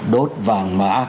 đốt vàng mã